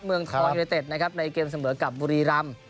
เมืองทองยูเนเต็ดนะครับในเกมเสมอกับบุรีรำ